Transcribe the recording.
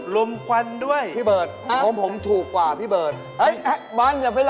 ลืมไว้ที่ไหนนะ